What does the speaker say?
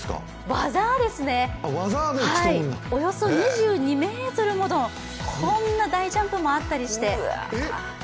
技ですね、およそ２２ｍものこんな大ジャンプもあったりして。